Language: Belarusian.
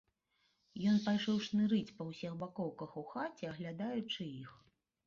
Ён пайшоў шнырыць па ўсіх бакоўках у хаце, аглядаючы іх.